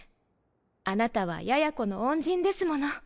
あなたはやや子の恩人ですもの。